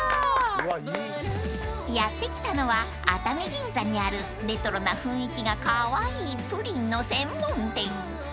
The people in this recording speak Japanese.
［やって来たのは熱海銀座にあるレトロな雰囲気がカワイイプリンの専門店］